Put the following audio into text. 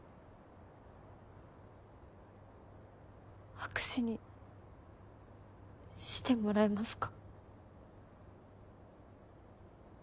白紙にしてもらえますか？